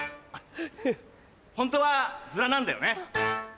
ホントはズラなんだよね。